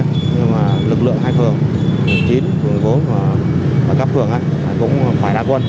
nhưng mà lực lượng hai phường chín một mươi bốn và cấp phường cũng phải ra quân